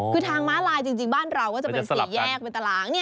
คือทางม้าลายจริงบ้านเราก็จะเป็นสี่แยกเป็นตาราง